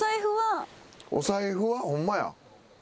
お財布は？ホンマや。